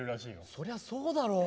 そりゃそうだろ。